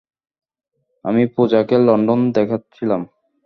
আমি পুজাকে লন্ডন দেখাচ্ছিলাম।